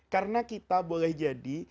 karena kita boleh jadi